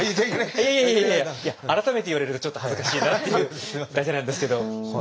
いや改めて言われるとちょっと恥ずかしいなっていうダジャレなんですけど。